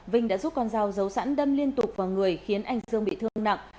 vinh đã giúp con dao giấu sẵn đâm liên tục vào người khiến anh dương bị thương nặng